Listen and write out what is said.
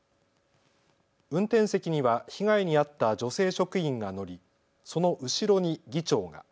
運転席には被害に遭った女性職員が乗りその後ろに議長が。